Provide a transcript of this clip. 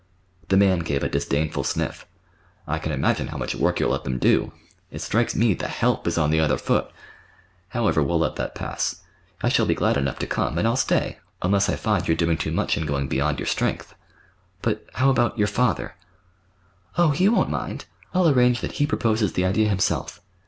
The man gave a disdainful sniff. "I can imagine how much work you'll let them do! It strikes me the 'help' is on the other foot. However, we'll let that pass. I shall be glad enough to come, and I'll stay—unless I find you're doing too much and going beyond your strength. But, how about—your father?" "Oh, he won't mind. I'll arrange that he proposes the idea himself.